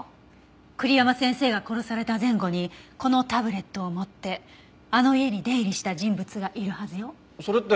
栗山先生が殺された前後にこのタブレットを持ってあの家に出入りした人物がいるはずよ。